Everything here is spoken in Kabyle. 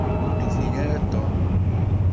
Ur d-ufin ara Tom.